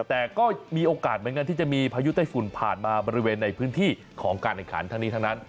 แต่ก็มีโอกาสเหมือนกันที่จะมีพายุใต้ฝุ่นผ่านมาบริเวณในพื้นที่ของการแข่งขันทั้งนี้ทั้งนั้น